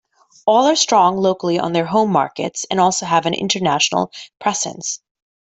All are strong locally on their home markets and also have an international presence.